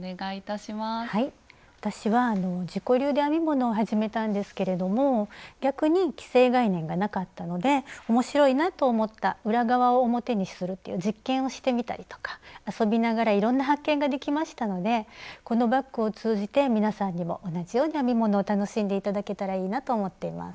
私は自己流で編み物を始めたんですけれども逆に既成概念がなかったので面白いなと思った裏側を表にするという実験をしてみたりとか遊びながらいろんな発見ができましたのでこのバッグを通じて皆さんにも同じように編み物を楽しんで頂けたらいいなと思っています。